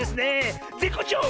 ぜっこうちょう！